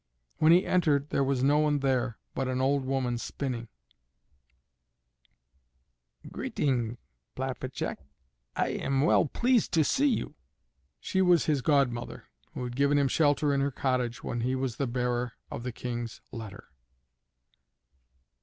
When he entered there was no one there but an old woman spinning. "Greeting, Plavacek, I am well pleased to see you." She was his godmother, who had given him shelter in her cottage when he was the bearer of the King's letter.